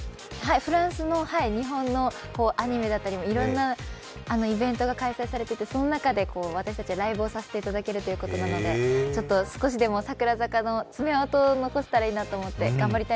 フランスの日本のアニメだったりいろんなことが開催されててその中で私たちはライブをさせていただけるということなので、少しでも櫻坂の爪痕を残せたらいいなと思っています。